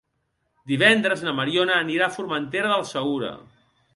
Divendres na Mariona anirà a Formentera del Segura.